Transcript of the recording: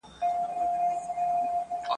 د شهید جنازه پرېږدی د قاتل سیوری رانیسی !.